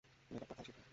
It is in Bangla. তুমি এটা কোথায় শিখলে?